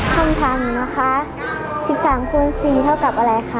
ข้อมูลค่ะ๑๓คูณ๔เท่ากับอะไรคะ